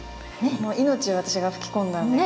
命を私が吹き込んだんで。